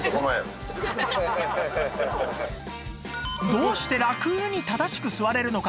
どうしてラクに正しく座れるのか？